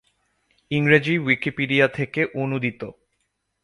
ইংরেজি উইকিপিডিয়া থেকে অনূদিত